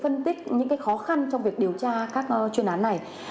phân tích những khó khăn trong việc điều tra các chuyên án này